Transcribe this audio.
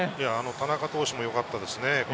田中投手もよかったですね。